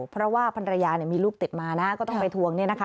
เพราะว่าภรรยามีลูกติดมานะก็ต้องไปทวงเนี่ยนะคะ